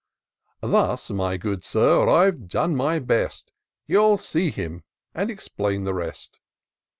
Thus, my good Sir, I've done my best : You'll see him and explain the rest."